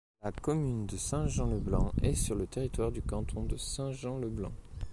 La commune de Saint-Jean-le-Blanc est sur le territoire du canton de Saint-Jean-le-Blanc.